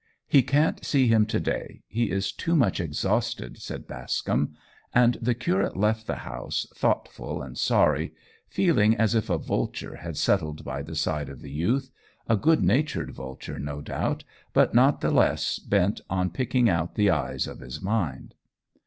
"He can't see him to day. He is too much exhausted," said Bascombe; and the curate left the house thoughtful and sorry, feeling as if a vulture had settled by the side of the youth a good natured vulture, no doubt, but not the less one bent on picking out the eyes of his mind.